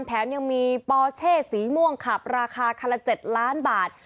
แถมยังมีปอเช่สีม่วงขับราคาคันละ๗ล้านบาท